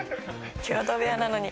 「共同部屋なのに」